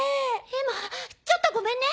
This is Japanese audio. エマちょっとごめんね。